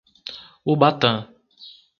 Ubatã